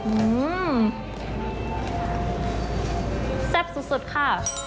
อืมแซ่บสุดค่ะ